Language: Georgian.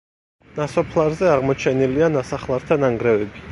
ნასოფლარზე აღმოჩენილია ნასახლართა ნანგრევები.